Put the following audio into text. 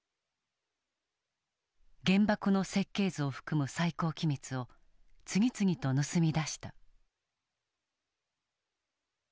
原爆の設計図を含む最高機密を次々と盗み出した。